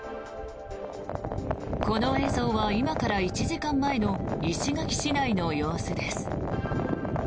この映像は今から１時間前の石垣市内の様子です。